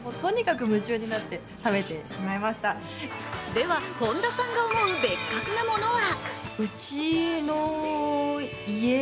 では、本田さんが思う別格なものは？